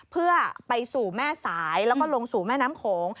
เพื่อไปสู่แม่สายแล้วก็ลงสู่แม่น้ำโขง